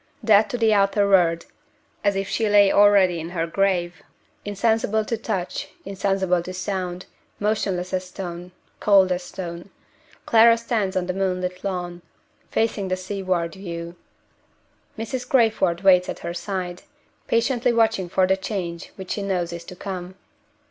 Dead to the outer world, as if she lay already in her grave insensible to touch, insensible to sound, motionless as stone, cold as stone Clara stands on the moonlit lawn, facing the seaward view. Mrs. Crayford waits at her side, patiently watching for the change which she knows is to come.